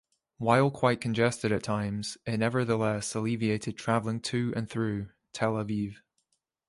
While quite congested at times it nevertheless alleviated traveling to and through Tel Aviv.